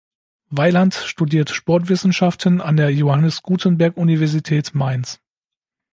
Weiland studiert Sportwissenschaften an der Johannes Gutenberg-Universität Mainz.